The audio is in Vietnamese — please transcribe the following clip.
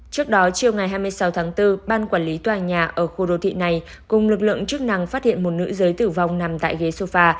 trước đó chiều ngày hai mươi sáu tháng bốn ban quản lý tòa nhà ở khu đô thị này cùng lực lượng chức năng phát hiện một nữ giới tử vong nằm tại ghế sofa